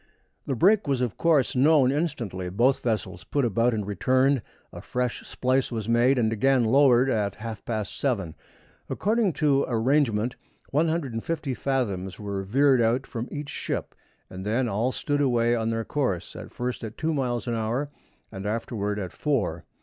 The break was of course known instantly, both vessels put about and returned, a fresh splice was made, and again lowered over at half past seven. According to arrangement, 150 fathoms were veered out from each ship, and then all stood away on their course, at first at two miles an hour, and afterward at four.